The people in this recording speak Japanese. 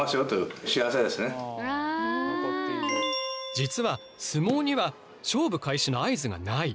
実は相撲には勝負開始の合図がない。